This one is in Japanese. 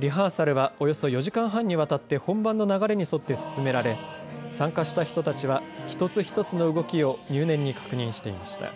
リハーサルはおよそ４時間半にわたって本番の流れに沿って進められ、参加した人たちは一つ一つの動きを入念に確認していました。